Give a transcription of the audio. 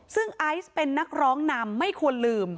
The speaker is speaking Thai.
ซึ่งไอซ์เป็นนักร้องนำไม่ควรลืม